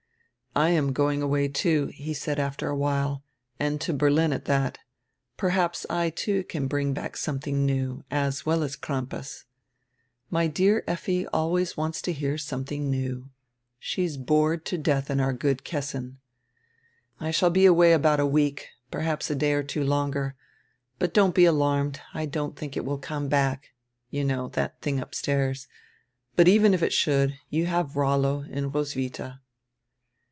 "I am going away, too," he said after a while, "and to Berlin at that Perhaps I, too, can bring back something new, as well as Crampas. My dear Effi always wants to hear something new. She is bored to death in our good Kessin. I shall be away about a week, perhaps a day or two longer. But don't be alarmed — I don't think it will come back — You know, that tiling upstairs — But even if it should, you have Rollo and Roswitha."